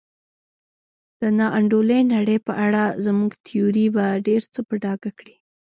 د نا انډولې نړۍ په اړه زموږ تیوري به ډېر څه په ډاګه کړي.